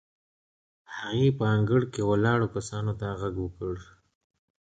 هغې په انګړ کې ولاړو کسانو ته غږ کړ.